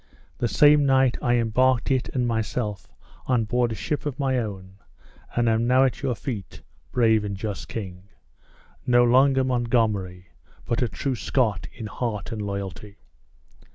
The same night I embarked it and myself on board a ship of my own, and am now at your feet, brave and just king! no longer Montgomery, but a true Scot in heart and loyalty."